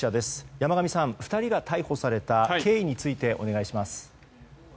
山上さん、２人が逮捕された経緯についてお願いします。